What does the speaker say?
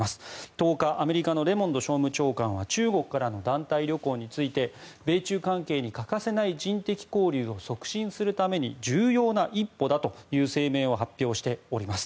１０日、アメリカのレモンド商務長官は中国からの団体旅行について米中関係に欠かせない人的交流を促進するために重要な一歩だという声明を発表しております。